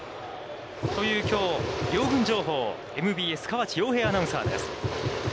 という、きょう、両軍情報、ＭＢＳ川地洋平アナウンサーです。